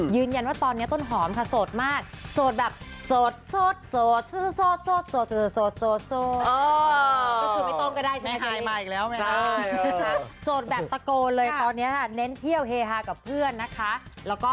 ยืนยันว่าตอนนี้ต้นหอมค่ะโสดมากโสดแบบโสด